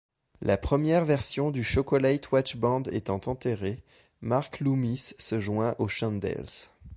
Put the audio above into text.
La première version du Chocolate Watchband étant enterrée, Mark Loomis se joint aux Shandels.